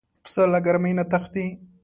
پسه له ګرمۍ نه تښتي.